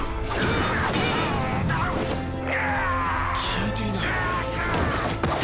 効いていない。